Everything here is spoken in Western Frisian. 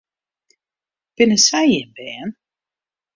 Binne sy jim bern?